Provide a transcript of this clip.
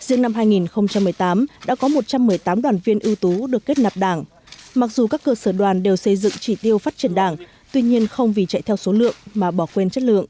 riêng năm hai nghìn một mươi tám đã có một trăm một mươi tám đoàn viên ưu tú được kết nạp đảng mặc dù các cơ sở đoàn đều xây dựng chỉ tiêu phát triển đảng tuy nhiên không vì chạy theo số lượng mà bỏ quên chất lượng